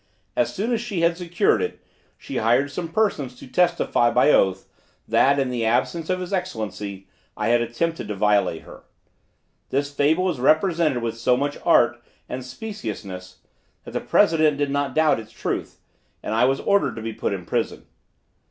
As soon as she had secured it, she hired some persons to testify by oath, that, in the absence of his Excellency, I had attempted to violate her. This fable was represented with so much art and speciousness, that the president did not doubt its truth, and I was ordered to be put in prison.